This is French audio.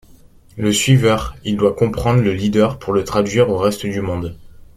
Le suiveur, il doit comprendre le leader pour le traduire au reste du monde.